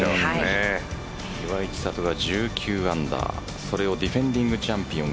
岩井千怜が１９アンダーそれをディフェンディングチャンピオン